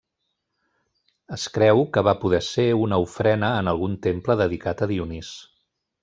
Es creu que va poder ser una ofrena en algun temple dedicat a Dionís.